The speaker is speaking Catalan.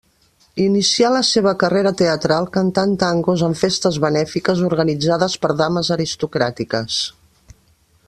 Inicià la seva carrera teatral cantant tangos en festes benèfiques organitzades per dames aristocràtiques.